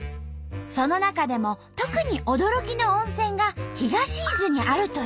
その中でも特に驚きの温泉が東伊豆にあるという。